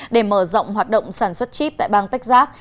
để mở rộng hoạt động sản xuất chip tại bang texas